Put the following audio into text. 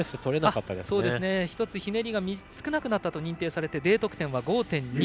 １つ、ひねりが少なくなったと認定されＤ得点は５．２。